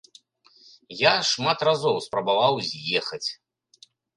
Я шмат разоў спрабаваў з'ехаць.